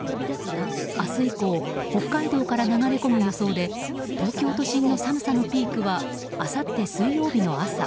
明日以降北海道から流れ込む予想で東京都心の寒さのピークはあさって水曜日の朝。